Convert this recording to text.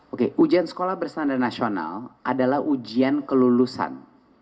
oke ujian sekolah berstandar nasional adalah ujian kelulusan